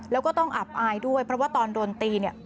แล้วก็ต้องอับอายด้วยเพราะว่าตอนโดนตีเนี่ย